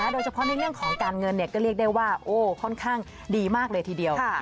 โดยเฉพาะในเรื่องของการเงินก็เรียกได้ว่าค่อนข้างดีมากเลยทีเดียว